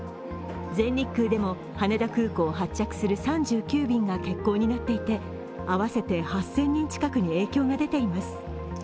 全日空でも羽田空港を発着する３９便が欠航になっていて、合わせて８０００人近くに影響が出ています。